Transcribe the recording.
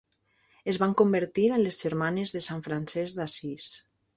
Es van convertir en les Germanes de Sant Francesc d'Assís.